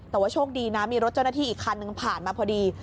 แต่ว่าโชคดีนะมีรถเจ้าหน้าที่อีกคันนึงผ่านมาพอดี